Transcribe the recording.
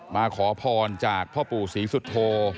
มาขอพรจากพ่อปู่ศรีสุโธ